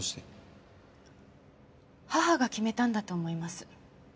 母が決めたんだと思います。